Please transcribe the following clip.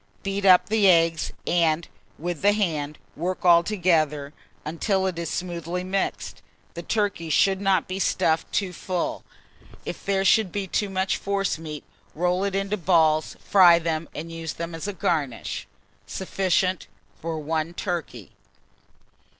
Beat up the eggs, and, with the hand, work altogether, until it is smoothly mixed. The turkey should not be stuffed too full: if there should be too much forcemeat, roll it into balls, fry them, and use them as a garnish. Sufficient for 1 turkey.